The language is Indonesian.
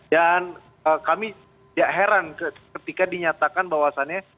dan kami heran ketika dinyatakan bahwasannya